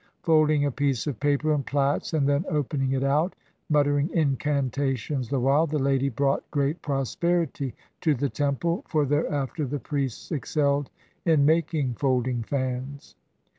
Folding a piece of paper in plaits and then opening it out, muttering incantations the while, the lady brought great prosperity to the temple, for thereafter the priests excelled in making folding fans.